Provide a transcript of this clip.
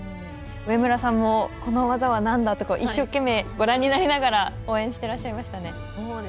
上村さんも、この技はなんだと一生懸命ご覧になりながら応援してらっしゃいましたね。